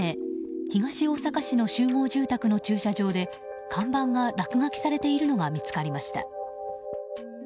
東大阪市の集合住宅の駐車場で看板が落書きされているのが見つかりました。